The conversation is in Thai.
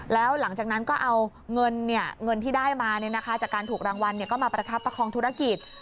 แล้วหลังจากนั้นก็เอาเงินที่ได้มาจากการถูกรางวัลก็มาประคับประคองธุรกิจ